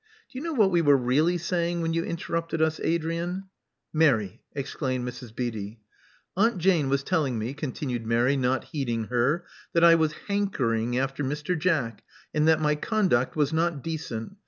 Do you know what we were really saying when you interrupted us, Adrian?" Mary," exclaimed Mrs. Beatty. Aunt Jane was telling me," continued Mary, not heeding her, that I was hankering after Mr. Jack, and that my conduct was not decent.